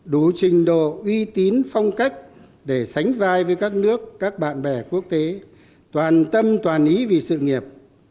đủ trình độ uy tín phong cách để sánh vai với các nước các bạn bè quốc tế toàn tâm toàn ý vì sự nghiệp